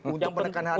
untuk menekan harga